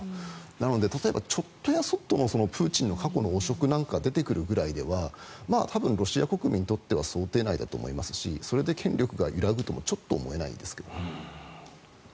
なので例えばちょっとやそっとのプーチンの過去や汚職が出てくるぐらいでは多分、ロシア国民にとっては想定内だと思いますしそれで政権が揺らぐとは思えないですね。